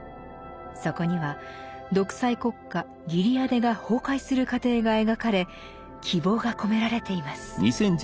そこには独裁国家ギレアデが崩壊する過程が描かれ希望が込められています。